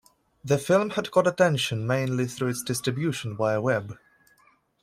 The film had caught attention mainly through its distribution via web.